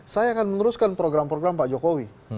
saya akan meneruskan program program pak jokowi